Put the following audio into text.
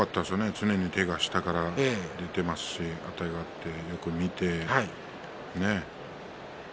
常に手が下から出ていますしあてがってよく見て。